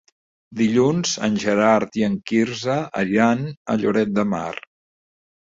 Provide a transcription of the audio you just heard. Dilluns en Gerard i en Quirze iran a Lloret de Mar.